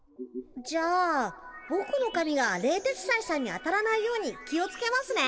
じゃあぼくのかみが冷徹斎さんに当たらないように気をつけますね。